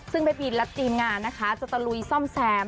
ซึ่งแม่พินและทีมงานนะคะจะตะลุยซ่อมแซม